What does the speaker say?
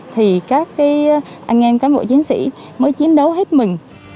thì các anh em cán bộ chiến sĩ mới chiến đấu hết mình